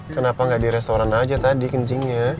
kenapa nggak di restoran aja tadi kencingnya